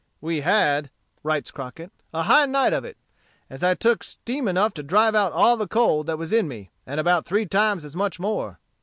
"We had," writes Crockett, "a high night of it, as I took steam enough to drive out all the cold that was in me, and about three times as much more."